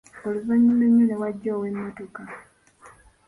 Oluvanyuma ennyo ne wajja ow’emmotoka